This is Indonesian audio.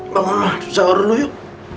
bangunlah saur lu yuk